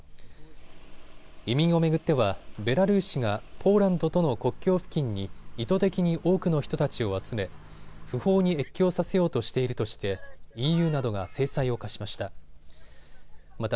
移民を巡ってはベラルーシがポーランドとの国境付近に意図的に多くの人たちを集め、不法に越境させようとしているとしてＥＵなどが制裁を科しました。